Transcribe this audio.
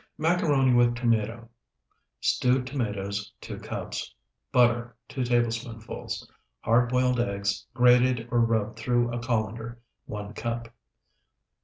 MACARONI WITH TOMATO Stewed tomatoes, 2 cups. Butter, 2 tablespoonfuls. Hard boiled eggs, grated or rubbed through a colander, 1 cup.